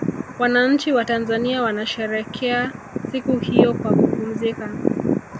wananchi watanzania wanasherekea siku hiyo kwa kupumzika